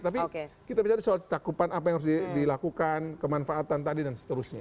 tapi kita bicara soal cakupan apa yang harus dilakukan kemanfaatan tadi dan seterusnya